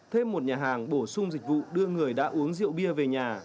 thêm một nhà hàng bổ sung dịch vụ đưa người đã uống rượu bia về nhà